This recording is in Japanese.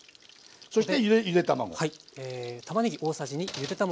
そしてゆで卵。